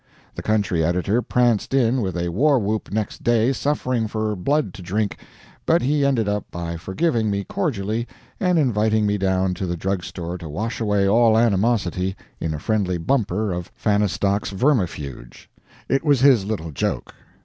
The country editor pranced in with a war whoop next day, suffering for blood to drink; but he ended by forgiving me cordially and inviting me down to the drug store to wash away all animosity in a friendly bumper of "Fahnestock's Vermifuge." It was his little joke.